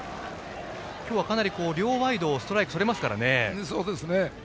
今日はかなり両ワイドストライクとれますから。